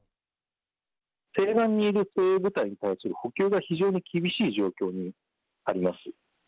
西岸にいる精鋭部隊に対する補給が非常に厳しい状況にあります。